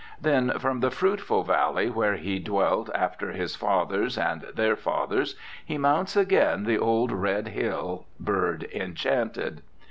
Then from the fruitful valley where he dwelt after his fathers, and their fathers, he mounts again the old red hill, bird enchanted.